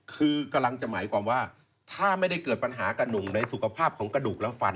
คือกำลังจะหมายความว่าถ้าไม่ได้เกิดปัญหากับหนุ่มในสุขภาพของกระดูกและฟัน